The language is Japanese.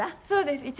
そうです。